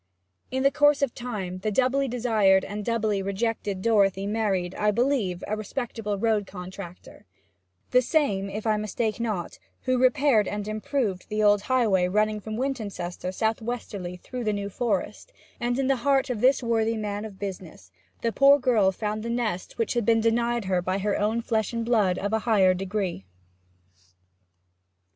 In the course of time the doubly desired and doubly rejected Dorothy married, I believe, a respectable road contractor the same, if I mistake not, who repaired and improved the old highway running from Wintoncester south westerly through the New Forest and in the heart of this worthy man of business the poor girl found the nest which had been denied her by her own flesh and blood of higher degree.